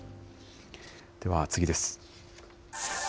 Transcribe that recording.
では次です。